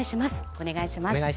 お願いします。